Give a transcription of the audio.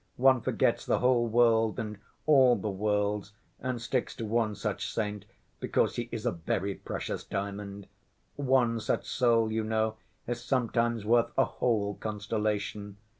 One forgets the whole world and all the worlds, and sticks to one such saint, because he is a very precious diamond. One such soul, you know, is sometimes worth a whole constellation.